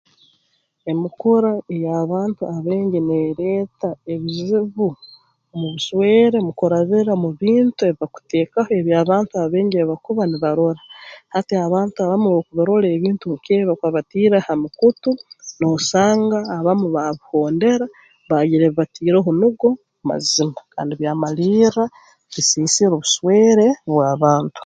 Emikura ey'abantu abaingi neereeta ebizibu mu buswere mukurabira mu bintu ebi bakuteekaho eby'abantu abaingi ebi bakuba nibarora hati abantu abamu obu bakurora ebintu nk'ebi bakuba batiire ha mukutu noosanga abamu baabihondera baagira ebi batiireho nugo mazima kandi byamalirra bisiisire obuswere bw'abantu